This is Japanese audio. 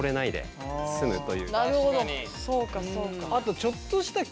そうかそうか。